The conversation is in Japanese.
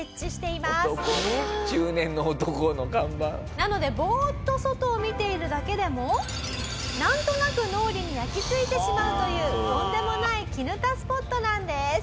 なのでぼーっと外を見ているだけでもなんとなく脳裏に焼き付いてしまうというとんでもないきぬたスポットなんです。